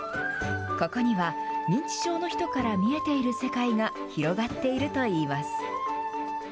ここには、認知症の人から見えている世界が広がっているといいます。